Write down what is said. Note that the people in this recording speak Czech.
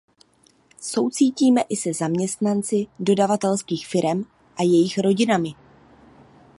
Soucítíme i se zaměstnanci dodavatelských firem a jejich rodinami.